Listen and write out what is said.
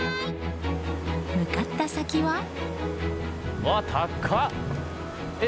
向かった先は。